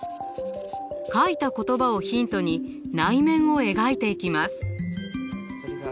書いた言葉をヒントに内面を描いていきます。